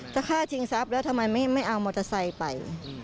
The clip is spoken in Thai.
จะฆ่าชิงทรัพย์แล้วทำไมไม่เอามอเตอร์ไซค์ไป